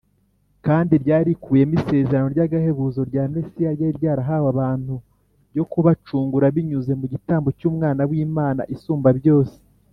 kandi ryari rikubiyemo isezerano ry’agahebuzo rya mesiya ryari ryarahawe abantu ryo kubacungura binyuze mu gitambo cy’umwana w’imana isumba byose.